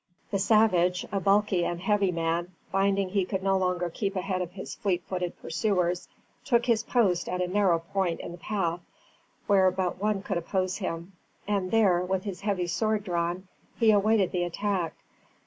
The savage, a bulky and heavy man, finding he could no longer keep ahead of his fleet footed pursuers, took his post at a narrow point in the path where but one could oppose him; and there, with his heavy sword drawn, he awaited the attack.